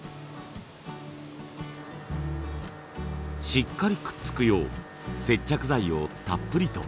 しっかりくっつくよう接着剤をたっぷりと。